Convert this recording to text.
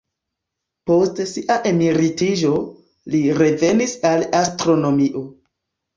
Post sia emeritiĝo, li revenis al astronomio.